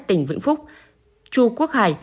tỉnh vĩnh phúc chu quốc hải